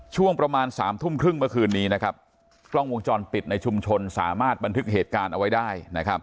ช่วงประมาณ๓ทุ่มครึ่งเมื่อคืนนี้นะครับกล้องวงจรปิดในชุมชนสามารถบันทึกเหตุการณ์เอาไว้ได้นะครับ